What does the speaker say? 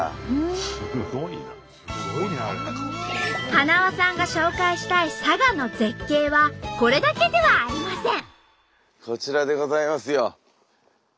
はなわさんが紹介したい佐賀の絶景はこれだけではありません。